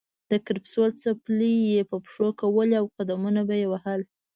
د کرپسول څپلۍ یې په پښو کولې او قدمونه به یې وهل.